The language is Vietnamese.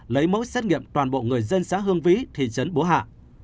lấy mẫu xét nghiệm toàn bộ người dân xã hương vĩ thị trấn bố hạ